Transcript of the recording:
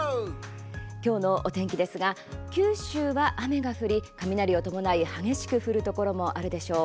今日のお天気ですが九州は雨が降って雷を伴い激しく降るところもあるでしょう。